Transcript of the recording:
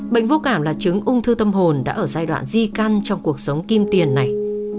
bệnh vô cảm là chứng ung thư tâm hồn đã ở giai đoạn di căn trong cuộc sống kim tiền này